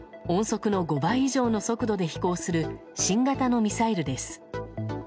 音速の５倍以上の速度で飛行する新型のミサイルです。